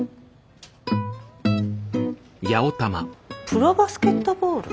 プロバスケットボール？